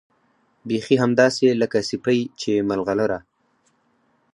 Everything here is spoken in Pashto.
بيخي همداسې لکه سيپۍ چې ملغلره